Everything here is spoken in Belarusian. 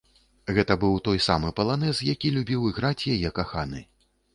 Гэта быў той самы паланэз, які любіў іграць яе каханы.